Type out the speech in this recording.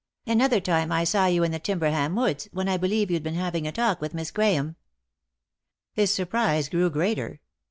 "Another time I saw you in the Timberham woods, when, I believe, you'd been having a talk with Miss Grahame." , His surprise grew greater.